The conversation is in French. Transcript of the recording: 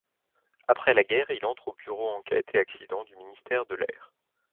Après la guerre il entre au Bureau enquête et accident du Ministère de l'Air.